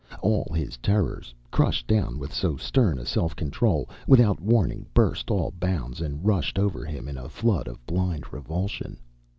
All his terrors, crushed down with so stern a self control, without warning burst all bounds and rushed over him in a flood of blind revulsion.